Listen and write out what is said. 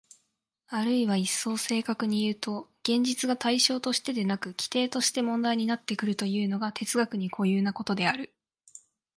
あるいは一層正確にいうと、現実が対象としてでなく基底として問題になってくるというのが哲学に固有なことである。